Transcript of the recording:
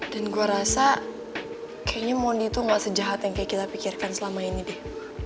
dan gua rasa kayaknya mondi tuh gak sejahat yang kayak kita pikirkan selama ini deh